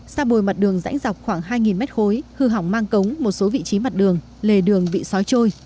xa bồi mặt đường rãnh dọc khoảng hai mét khối hư hỏng mang cống một số vị trí mặt đường lề đường bị sói trôi